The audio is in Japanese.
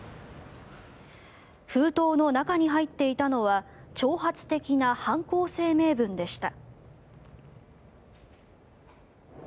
封筒の中に入っていたのは挑発的な犯行声明文でした。